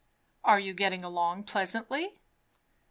"Are you getting along pleasantly?"